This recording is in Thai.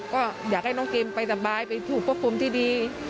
ก็อยากให้น้องเกมไปสบายไปถูกควบคุมที่ดี